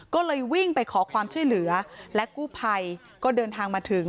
ก็เลยวิ่งไปขอความช่วยเหลือและกู้ภัยก็เดินทางมาถึง